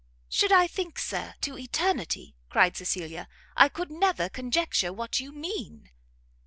"Should I think, Sir, to eternity," cried Cecilia, "I could never conjecture what you mean!"